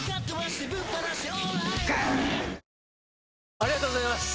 ありがとうございます！